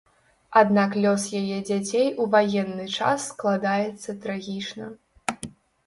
Аднак лёс яе дзяцей у ваенны час складаецца трагічна.